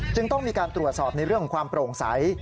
ต้องมีการตรวจสอบในเรื่องของความโปร่งใส